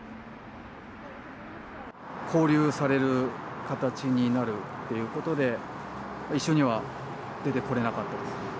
勾留される形になるっていうことで、一緒には出てこれなかったです。